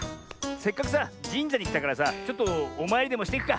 せっかくさじんじゃにきたからさちょっとおまいりでもしていくか。